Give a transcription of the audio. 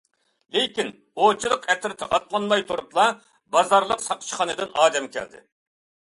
لېكىن ئوۋچىلىق ئەترىتى ئاتلانماي تۇرۇپلا بازارلىق ساقچىخانىدىن ئادەم كەلدى.